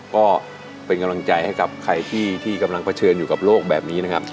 ก็เป็นกำลังใจให้กับใครที่กำลังเผชิญอยู่กับโลกแบบนี้นะครับ